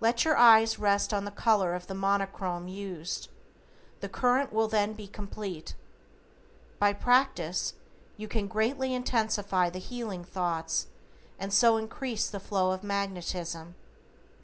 Let your eyes rest on the color of the Monochrome used, the current will then be complete. By practise you can greatly intensify the healing thoughts and so increase the flow of magnetism.